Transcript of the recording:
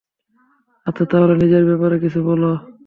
আচ্ছা তাহলে, নিজের ব্যাপারে কিছু বলো।